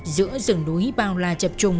giữa rừng đuối bao la chập trùng